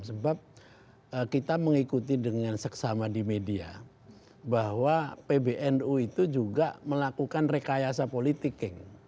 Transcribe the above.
sebab kita mengikuti dengan seksama di media bahwa pbnu itu juga melakukan rekayasa politiking